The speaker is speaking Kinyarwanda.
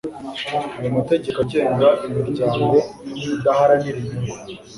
ayo mategeko agenga imiryango idaharanira inyungu